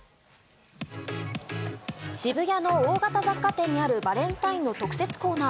渋谷の大型雑貨店にあるバレンタインの特設コーナー。